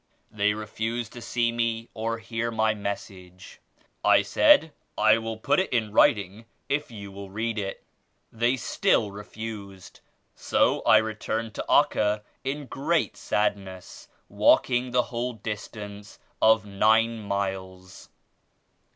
They refused to see me or hear my message. I said *I will put it in writing if you will read it' They still refused, so I returned to Acca in great sadness, walking the whole distance of nine miles."